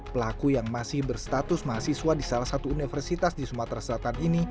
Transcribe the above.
pelaku yang masih berstatus mahasiswa di salah satu universitas di sumatera selatan ini